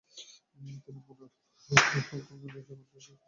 তিনি মুদাফা-ই হুকুক জামিয়েতি এর সক্রিয় সদস্য হন।